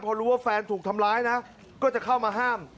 พอรู้ว่าแฟนถูกทำร้ายนะก็จะเข้ามาห้าม